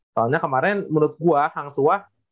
soalnya kemarin menurut gua hang tua